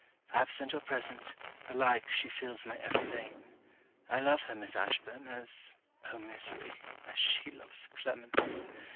Absent or present, alike she fills my every vein. I love her, Miss Ashburn, as oh misery! as she loves Clement!